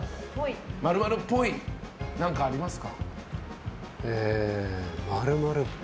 ○○っぽい何かありますか？